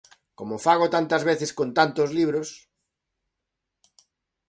Como fago tantas veces con tantos libros.